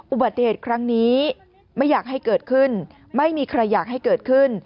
อุบัติเหตุครั้งนี้ไม่อยากให้เกิดขึ้นไม่มีใครอยากให้เกิดขึ้น